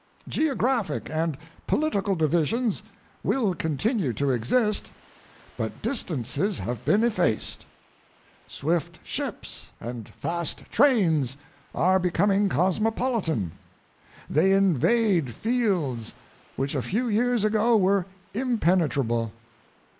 Geographic and political divisions will continue to exist, but distances have been effaced. Swift ships and fast trains are becoming cosmopolitan. They invade fields which a few years ago were impene trable.